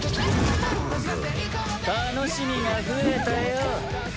楽しみが増えたよ。